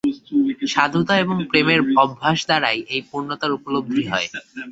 সাধুতা এবং প্রেমের অভ্যাস দ্বারাই এই পূর্ণতার উপলব্ধি হয়।